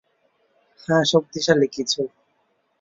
হ্যাঁ, শক্তিশালী কিছু।